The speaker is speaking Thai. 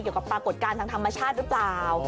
เกี่ยวกับปรากฏการณ์ทางธรรมชาติรึเปล่า